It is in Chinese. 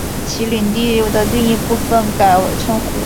其领地的另一部分改称湖阳。